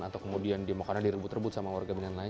atau kemudian dimakan direbut rebut sama warga binan lain